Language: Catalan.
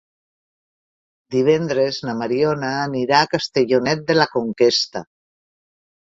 Divendres na Mariona anirà a Castellonet de la Conquesta.